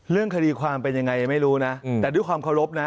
เรื่องคดีความเป็นยังไงไม่รู้นะแต่ด้วยความเคารพนะ